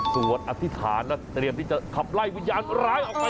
สวดอธิษฐานและเตรียมที่จะขับไล่วิญญาณร้ายออกไป